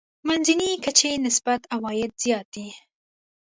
منځنۍ کچې نسبت عوايد زیات دي.